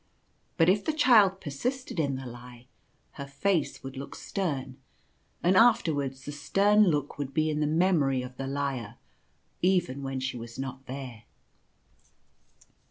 But if the child persisted in the lie her face would look stern, and after wards the stern look would be in the memory of the liar, even when she was not there.